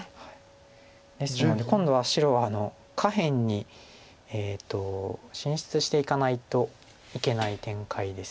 ですので今度は白下辺に進出していかないといけない展開です。